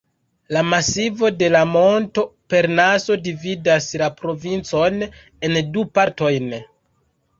La masivo de la monto Parnaso dividas la provincon en du partojn.